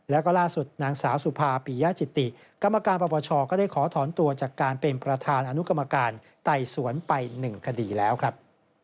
แล้วก็ล่าสุดนางสาวสุภาปียจิติกรรมการปปชก็ได้ขอถอนตัวจากการเป็นประธานอนุกรรมการไต่สวนไป๑คดีแล้วครับ